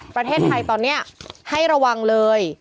ประเทศไทยตอนนี้ให้ระวังเลย